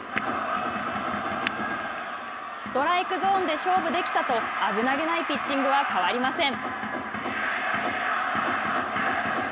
ストライクゾーンで勝負できたと危なげないピッチングは変わりません。